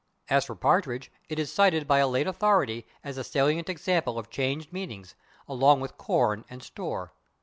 As for /partridge/, it is cited by a late authority as a salient example of changed meaning, along with /corn/ and /store